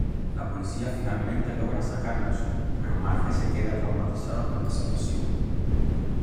La policía finalmente logra sacarlos, pero Marge se queda traumatizada por la situación.